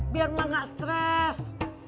biar mak gak stres